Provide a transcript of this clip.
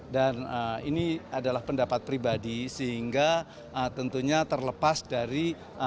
dan ini adalah pendapat pribadi sehingga tentunya terlepas dari